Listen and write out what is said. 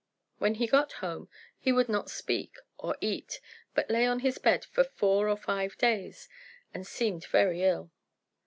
When he got home, he would not speak or eat, but lay on his bed for four or five days, and seemed very ill.